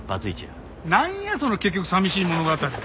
なんやその結局寂しい物語。